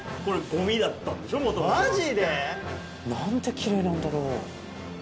マジで？なんてきれいなんだろう。